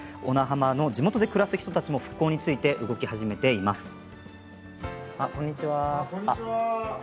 小名浜の地元で暮らす人たちも復興に向けて動き始めています。